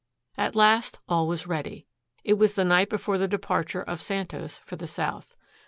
At last all was ready. It was the night before the departure of Santos for the south.